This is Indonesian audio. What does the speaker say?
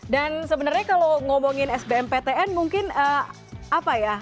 dan sebenarnya kalau ngomongin sbm ptn mungkin apa ya